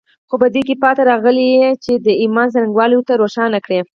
خو په دې کې پاتې راغلي چې د ايمان څرنګوالي ورته روښانه کړي.